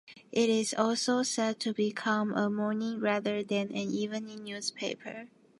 It is also set to become a morning rather than an evening newspaper.